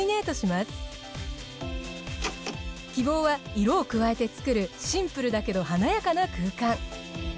希望は色を加えて作るシンプルだけど華やかな空間。